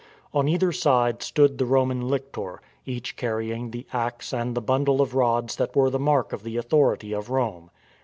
On either side stood the Roman lictor, each carrying the axe and the bundle of rods that were the mark of the authority of Rome.